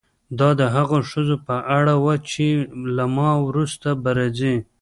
دا د هغو ښځو په اړه وه چې له ما وروسته به راځي.